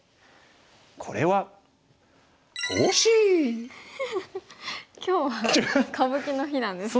これは今日は歌舞伎の日なんですね。